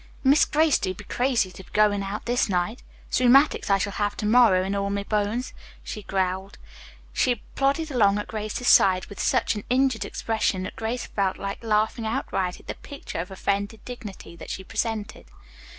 "Miss Grace do be crazy to be goin' out this night. It's rheumatics I shall have to morrow in all me bones," she growled. She plodded along at Grace's side with such an injured expression that Grace felt like laughing outright at the picture of offended dignity that she presented.